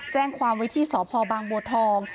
แจ้งความวิธีสอบภอบางบัวทอง